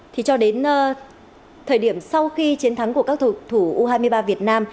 thì cho đến thời điểm sau khi chiến thắng của các thủ thủ u hai mươi ba việt nam